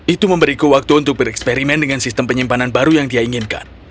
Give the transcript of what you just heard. itu memberiku waktu untuk bereksperimen dengan sistem penyimpanan baru yang dia inginkan